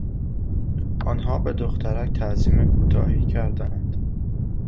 آنها به دخترک تعظیم کوتاهی کردند.